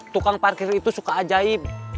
tukang parkir itu suka ajaib